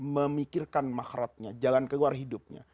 memikirkan mahratnya jalan keluar hidupnya